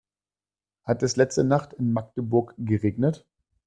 Hat es letzte Nacht in Magdeburg geregnet?